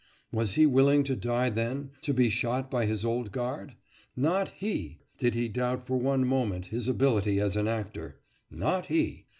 Was he willing to die then? to be shot by his old guard? Not he! Did he doubt for one moment his ability as an actor. Not he!